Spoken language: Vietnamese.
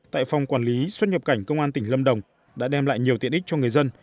tại phòng quản lý xuất nhập cảnh công an tỉnh lâm đồng đã đem lại nhiều tiện ích cho người dân